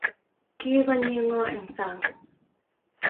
Kigonyii ngo eng saang?